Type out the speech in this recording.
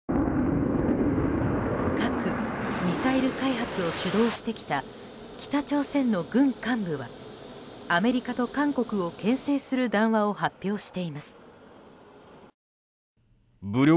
核・ミサイル開発を主導してきた北朝鮮の軍幹部はアメリカと韓国を牽制する談話を発表しています。